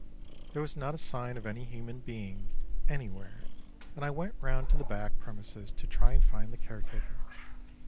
There was not a sign of any human being anywhere, and I went round to the back premises to try and find the caretaker.